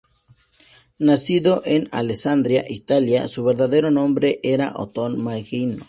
Nacido en Alessandria, Italia, su verdadero nombre era Ottone Mignone.